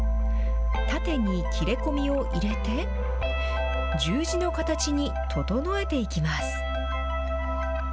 縦に切れ込みを入れて十字の形に整えていきます。